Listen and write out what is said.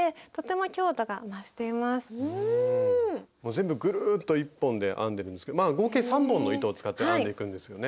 全部ぐるっと１本で編んでるんですけどまあ合計３本の糸を使って編んでいくんですよね。